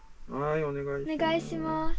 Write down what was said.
おねがいします。